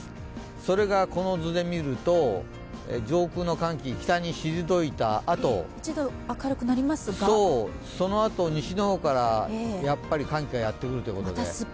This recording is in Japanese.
それがこの図で見ると上空の寒気、北に退いたあと、西の方からやっぱり寒気がやってくるということで。